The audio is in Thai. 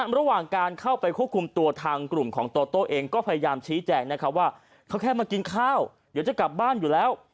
ระหว่างการเข้าไปควบคุมตัวทางกลุ่มของโตโต้เองก็พยายามชี้แจงนะครับว่าเขาแค่มากินข้าวเดี๋ยวจะกลับบ้านอยู่แล้ว